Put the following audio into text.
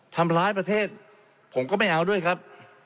ประเทศผมก็ไม่เอาด้วยครับ